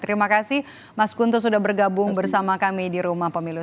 terima kasih mas kunto sudah bergabung bersama kami di rumah pemilu